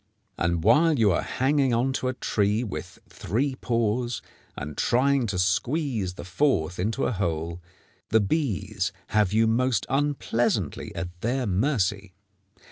And while you are hanging on to a tree with three paws, and trying to squeeze the fourth into a hole, the bees have you most unpleasantly at their mercy.